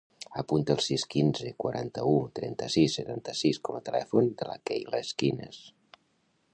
Apunta el sis, quinze, quaranta-u, trenta-sis, setanta-sis com a telèfon de la Keyla Esquinas.